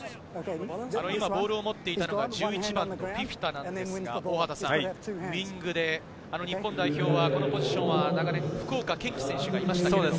今、ボールを持っていたのが１１番のフィフィタなんですが、ウイングで日本代表はこのポジションは福岡堅樹選手がいましたけれど。